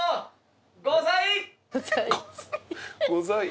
「ござい」？